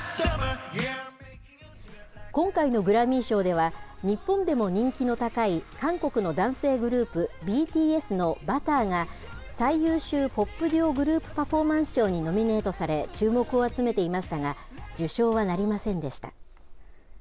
今回のグラミー賞では、日本でも人気の高い韓国の男性グループ、ＢＴＳのＢｕｔｔｅｒが、最優秀ポップ・デュオ／グループ・パフォーマンス賞に注目を集めていましたが、受賞はなりませんでした。